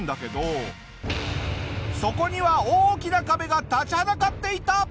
そこには大きな壁が立ちはだかっていた！